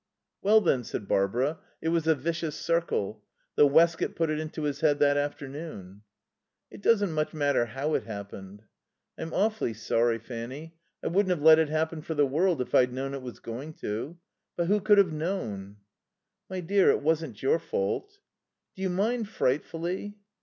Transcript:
"Well then," said Barbara, "it was a vicious circle. The waistcoat put it into his head that afternoon." "It doesn't much matter how it happened." "I'm awfully sorry, Fanny. I wouldn't have let it happen for the world, if I'd known it was going to. But who could have known?" "My dear, it wasn't your fault." "Do you mind frightfully?"